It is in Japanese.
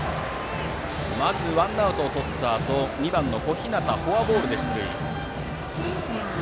まずワンアウトをとったあと２番の小日向フォアボールで出塁。